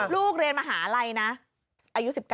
ลูกเรียนมหาลัยนะอายุ๑๙